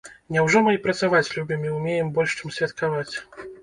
Няўжо мы і працаваць любім і ўмеем больш, чым святкаваць?